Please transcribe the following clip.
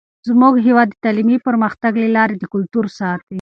زموږ هیواد د تعلیمي پرمختګ له لارې د کلتور ساتئ.